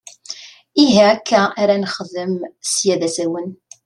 Ihi akka ar ad nexdem sya d asawen!